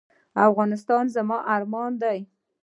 افغانستان زما ارمان دی